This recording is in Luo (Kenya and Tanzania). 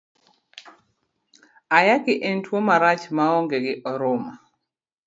Ayaki en tuo marach maonge gi oruma.